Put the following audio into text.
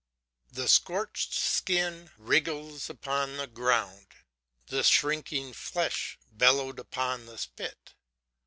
"The scorched skins wriggled upon the ground, The shrinking flesh bellowed upon the spit.